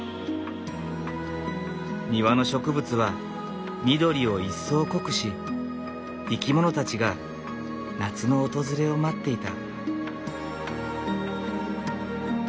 庭の植物は緑を一層濃くし生き物たちが夏の訪れを待っていた。